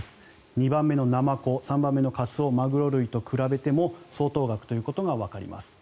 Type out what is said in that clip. ２番目のナマコ３番目のカツオマグロ類と比べても相当額ということがわかります。